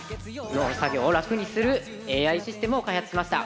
農作業を楽にするＡＩシステムを開発しました。